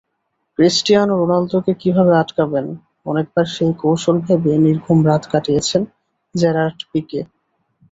Cristiano রোনালদোকে কীভাবে আটকাবেন, অনেকবারই সেই কৌশল ভেবে নির্ঘুম রাত কাটিয়েছেন জেরার্ড পিকে।